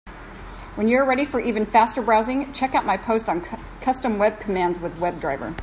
When you are ready for even faster browsing, check out my post on Custom web commands with WebDriver.